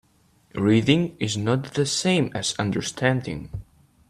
Reading is not the same as understanding.